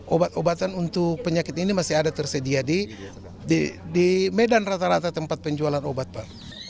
obat obatan untuk penyakit ini masih ada tersedia di medan rata rata tempat penjualan obat pak